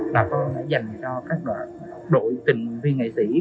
là có thể dành cho các đội tình viên nghệ sĩ